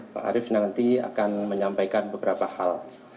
pak arief nanti akan menyampaikan beberapa hal